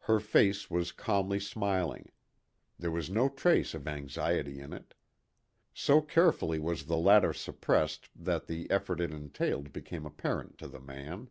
Her face was calmly smiling. There was no trace of anxiety in it. So carefully was the latter suppressed that the effort it entailed became apparent to the man.